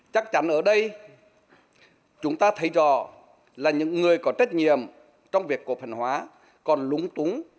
chắc chắn ở đây chúng ta thấy rõ là những người có trách nhiệm trong việc cổ phần hóa còn lúng túng